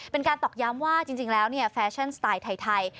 เป็นการตอกย้ำว่าจริงแล้วเนี่ยแฟชั่นสไตล์ไทย